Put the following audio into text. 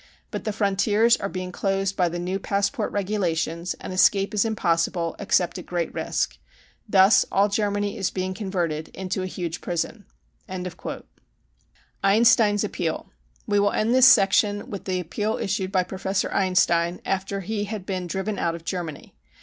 But the frontiers are being closed by the new passport regulations and escape is impossible except at great risk. Thus all Germany is being converted into a huge prispn. 55 c Einstein's Appeal. We will end this section with the appeal issued by Professor Einstein after he had been driven out of Germany.